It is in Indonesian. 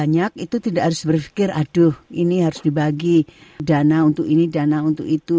banyak itu tidak harus berpikir aduh ini harus dibagi dana untuk ini dana untuk itu